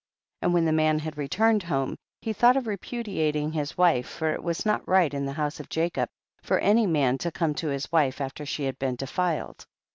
5. And when the man had return ed home, he thought of repudiating his wife, for it was not right in the house of Jacob, for any man lo come to his wife after she had been defiled.